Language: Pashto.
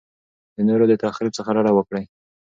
د نورو د تخریب څخه ډډه وکړئ.